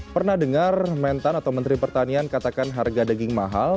pernah dengar mentan atau menteri pertanian katakan harga daging mahal